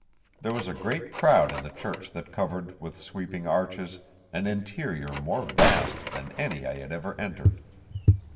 There was a great crowd in the church that covered, with sweeping arches, an interior more vast than any I had ever entered.